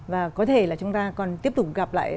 và có thể là chúng ta còn tiếp tục gặp lại